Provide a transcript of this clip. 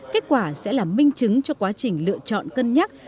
kết quả sẽ là minh chứng cho quá trình lựa chọn cân nhắc